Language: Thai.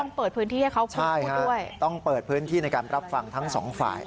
เปิดพื้นที่ให้เขาควบคุมด้วยต้องเปิดพื้นที่ในการรับฟังทั้งสองฝ่าย